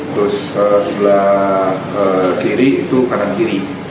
terus sebelah kiri itu kanan kiri